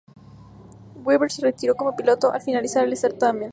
Weaver se retiró como piloto al finalizar el certamen.